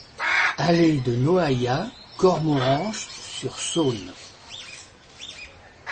Allée de Noaillat, Cormoranche-sur-Saône